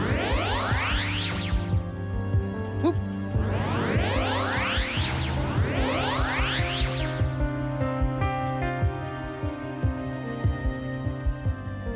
aku akan mengejarmu